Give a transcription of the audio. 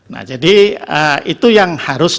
nah jadi itu yang harus